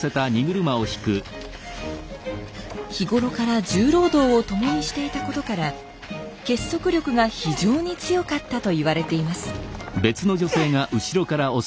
日頃から重労働を共にしていたことから結束力が非常に強かったと言われています。